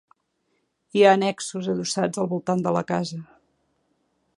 Hi ha annexos adossats al voltant de la casa.